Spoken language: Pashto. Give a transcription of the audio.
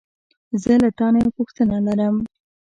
زه له تا نه یوه پوښتنه لرم.